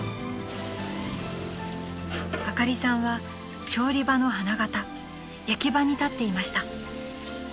［あかりさんは調理場の花形焼き場に立っていました］